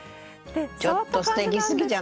ちょっとすてきすぎじゃない？